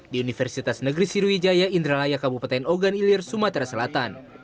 di universitas negeri serugijaya indralaya kabupaten oganilir sumatera selatan